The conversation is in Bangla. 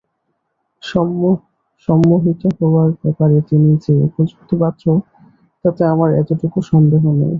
সম্মোহিত হওয়ার ব্যাপারে তিনি যে উপযুক্ত পাত্র তাতে আমার এতটুকু সন্দেহ নেই।